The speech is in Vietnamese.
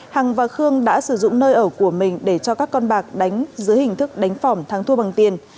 hằng và khương đã sử dụng nơi ở của mình để cho các con bạc đánh dưới hình thức đánh phòng thắng thua bằng tiền